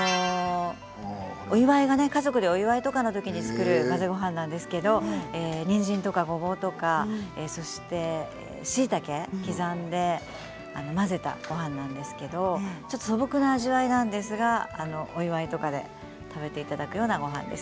家族でお祝いとかの時に作る、混ぜごはんなんですけれどにんじんとかごぼうとかそしてしいたけを刻んで混ぜた、ごはんなんですけれどちょっと素朴な味わいなんですがお祝いとかで食べていただくようなごはんです。